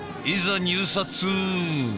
いざ入札！